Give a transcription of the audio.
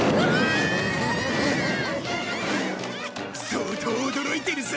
相当驚いてるぞ。